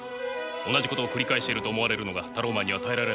同じことを繰り返していると思われるのがタローマンには耐えられないんです。